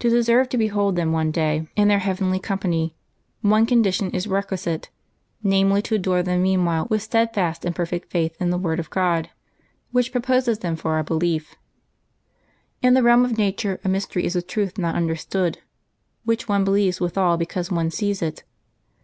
To deserve to behold them one day in their heavenly company, one condition is requisite, namely, to adore them meanwhile with steadfast and perfect faith in the word of God, which proposes them for our belief. In the realm of nature a mystery is a truth not understood, which one believes withal because one sees it.